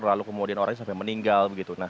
lalu kemudian orangnya sampai meninggal